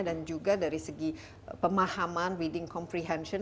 dan juga dari segi pemahaman reading comprehension